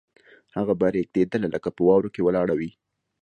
هغه به رېږدېدله لکه په واورو کې ولاړه وي